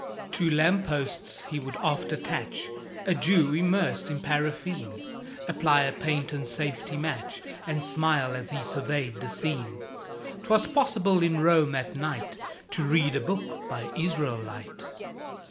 To lamp posts he would oft attach A Jew, immersed in paraffine, Apply a patent safety match, And smile as he surveyed the scene. ('Twas possible in Rome at night To read a book by Israelight.)